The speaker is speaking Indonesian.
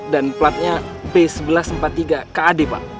dan platnya b seribu satu ratus empat puluh tiga kad pak